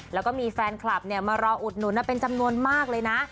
แล้วก็มีแฟนคลับมารออุดหนุนเป็นจำนวนมากเลยนะ